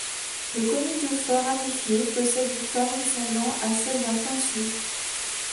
Le conidiophore ramifié possède une forme ressemblant à celle d’un pinceau.